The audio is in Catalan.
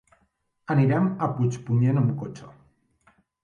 Anirem a Puigpunyent amb cotxe.